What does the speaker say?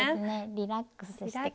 リラックスして。